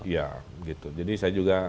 ya gitu jadi saya juga